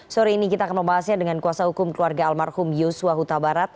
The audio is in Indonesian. sore ini kita akan membahasnya dengan kuasa hukum keluarga almarhum yosua huta barat